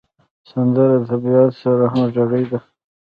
سندره د طبیعت سره همغږې ده